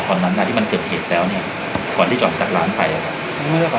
ตอนนั้นน่ะที่มันเกิดเหตุแล้วเนี่ยก่อนที่จะออกจากร้านไปอ่ะครับ